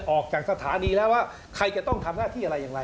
ออกจากสถานีแล้วว่าใครจะต้องทำหน้าที่อะไรอย่างไร